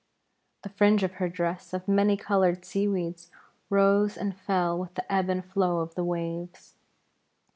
The fringe of her dress of many coloured seaweeds rose and fell with the ebb and flow of the waves.